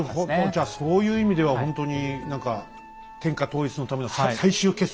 じゃあそういう意味ではほんとに何か天下統一のための最終決戦ですね秀吉からしたらね。